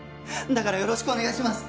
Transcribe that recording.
だからよろしくお願いします